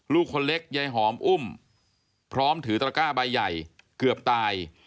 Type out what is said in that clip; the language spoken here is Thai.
ลูกคนเล็กยายหอมอุ้มพร้อมถือตระก้าใบใหญ่เกือบตาย